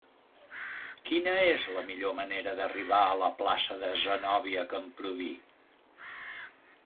Quina és la millor manera d'arribar a la plaça de Zenòbia Camprubí?